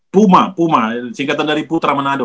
puma puma singkatan dari putra manado